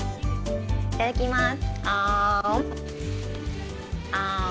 いただきます。